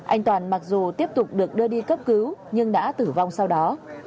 anh toàn mặc dù tiếp tục được đưa đi cấp cứu nhưng đã tử vong sau đó